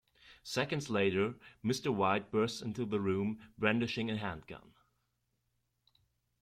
Seconds later, Mr. White bursts into the room brandishing a handgun.